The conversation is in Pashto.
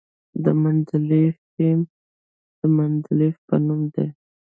د مندلیفیم د مندلیف په نوم دی.